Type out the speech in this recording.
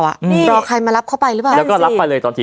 รอใครมารับเขาไปหรือเปล่า